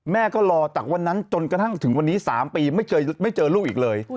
ก็รอจากวันนั้นจนกระทั่งถึงวันนี้๓ปีไม่เจอลูกอีกเลย